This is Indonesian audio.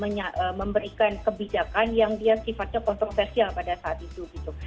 mereka memberikan kebijakan yang dia sifatnya kontroversial pada saat itu gitu